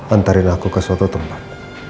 antarin aku ke suatu tempat